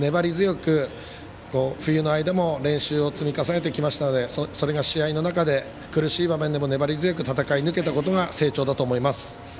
冬の間も練習を積み重ねてきましたのでそれが試合の中で苦しい場面でも戦い抜けたことが成長だと思います。